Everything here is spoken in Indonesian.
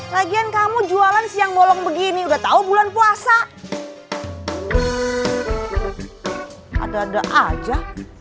lagian kamu jualan siang bolong begini udah tahu bulan puasa ada aja